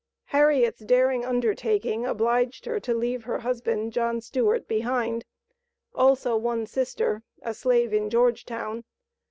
Harriet's daring undertaking obliged her to leave her husband, John Stewart, behind; also one sister, a slave in Georgetown.